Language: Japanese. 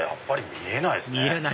見えないですね